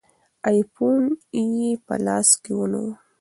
آیفون یې په لاس کې ونیوه.